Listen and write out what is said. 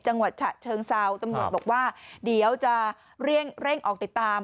จังหวัดฉะเชิงเซาตำรวจบอกว่าเดี๋ยวจะเร่งออกติดตาม